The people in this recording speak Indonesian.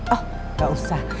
oh gak usah